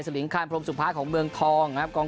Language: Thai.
ลิงคานพรมสุดท้ายของเมืองทองนะครับ